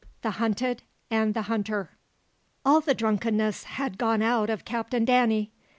THE HUNTED AND THE HUNTER. All the drunkenness had gone out of Captain Danny.